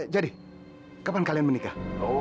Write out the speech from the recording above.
jadi kapan kalian menikah